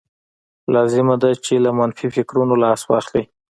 لازمه ده چې له منفي فکرونو لاس واخلئ